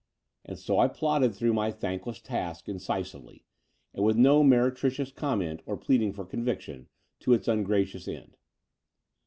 And so I plodded through my thankless task incisively, and with no meretricious comment or pleading for conviction, to its ungracious end.